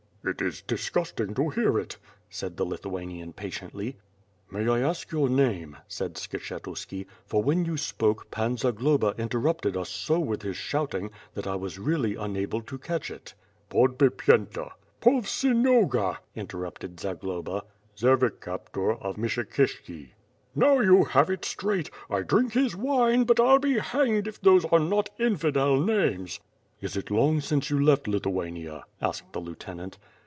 "It is disgusting to hear it," said the Lithuanian patiently. "May I ask your name," said Skshetuski, "for when you spoke, Pan Zagloba interrupted us so with his shouting, that I was really unable to catch it." "Podbipyenta." "Povsinoga," interrupted Zagloba. "Zervicaptur of Myshikishki." "Now you have it straight. I drink his wine, but FU be hanged if those are not infidel names." "Is it long since you left Lithuania?" asked the lieutenant.